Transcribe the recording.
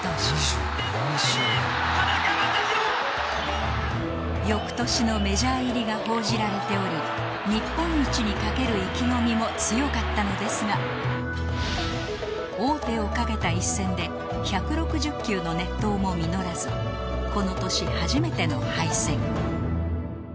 「２４勝」翌年のメジャー入りが報じられており日本一にかける意気込みも強かったのですが王手をかけた一戦で１６０球の熱投も実らずこの年初めての敗戦